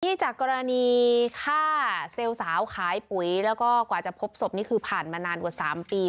นี่จากกรณีฆ่าเซลล์สาวขายปุ๋ยแล้วก็กว่าจะพบศพนี่คือผ่านมานานกว่า๓ปี